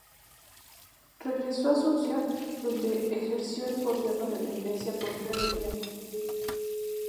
Regresó a Asunción, donde ejerció el gobierno de la Iglesia por breve tiempo.